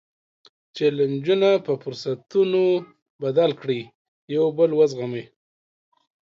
جیلنجونه په فرصتونو بدل کړئ، یو بل وزغمئ.